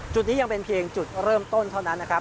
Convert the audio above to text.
จุดนี้ยังเป็นเพียงจุดเริ่มต้นเท่านั้นนะครับ